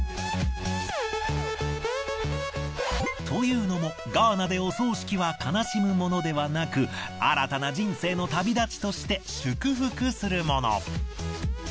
というのもガーナでお葬式は悲しむものではなく新たな人生の旅立ちとして祝福するもの。